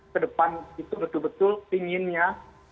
kedepan itu betul betul inginnya